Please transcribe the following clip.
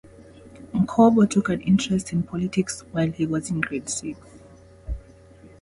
Ngcobo took an interest in politics while he was in grade six.